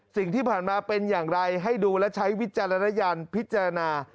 สิ่งที่ผ่านมาเป็นอย่างไรให้ดูและใช้วิจารณญาณพิจารณา